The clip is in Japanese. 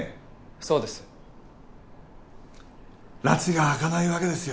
そうですらちが明かないわけですよ